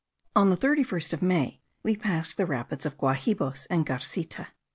On the 31st of May we passed the rapids of Guahibos and Garcita.